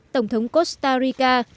tổng thống costa rica